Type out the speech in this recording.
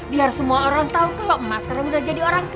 biar semua orang tahu kalau ma sekarang udah jadi orang kaya